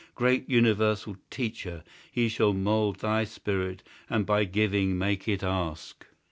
Great universal Teacher! he shall mould Thy spirit, and by giving make it ask.